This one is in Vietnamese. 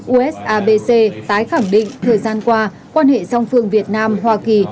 usabc tái khẳng định thời gian qua quan hệ song phương việt nam hoa kỳ